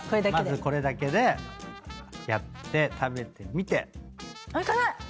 まずこれだけでやって食べてみて。